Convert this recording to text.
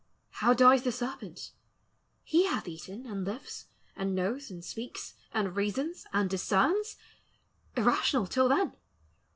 How dies the serpent? he hath eaten and lives, And knows, and speaks, and reasons, and discerns, Irrational till then.